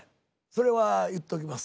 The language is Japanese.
それは言っときます。